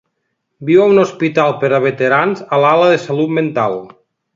Viu a un hospital per a veterans a l'ala de salut mental.